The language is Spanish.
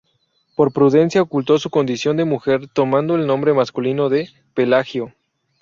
Por prudencia ocultó su condición de mujer, tomando el nombre masculino de "Pelagio".